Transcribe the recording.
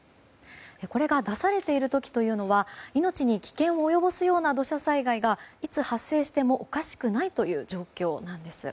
これが出されている時というのは命に危険を及ぼすような土砂災害がいつ発生してもおかしくないという状況なんです。